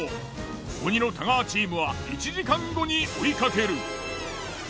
鬼の太川チームは１時間後に追いかける。